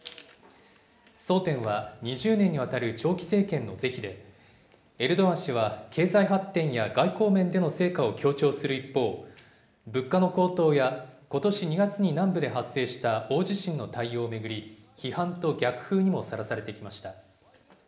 争点は２０年にわたる長期政権の是非で、エルドアン氏は経済発展や外交面での成果を強調する一方、物価の高騰や、ことし２月に南部で発生した大地震の対応を巡り、批判と逆風にもさらされてきました。